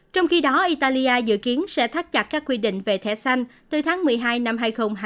trong khi đó italia dự kiến sẽ thắt chặt các quy định về thẻ xanh từ tháng một mươi hai năm hai nghìn hai mươi